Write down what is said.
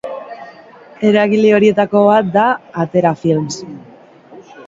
Eragile horietako bat da Atera Films.